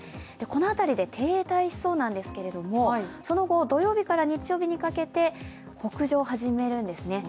この辺りで停滞しそうなんですけどその後、土曜日から日曜日にかけて北上を始めるんですね。